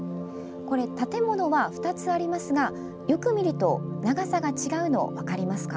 建物は２つありますがよく見ると長さが違うの分かりますか？